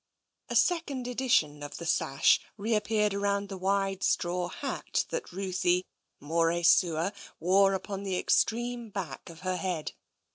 A second edition of the sash reappeared round the wide straw hat that Ruthie, more sua, wore upon the extreme back of her head.